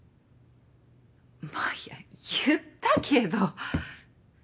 まあいや言ったけど。